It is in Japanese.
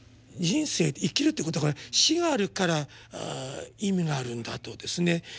人生で生きるっていうことが死があるから意味があるんだとですね